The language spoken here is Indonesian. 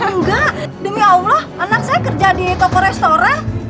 enggak demi allah anak saya kerja di toko restoran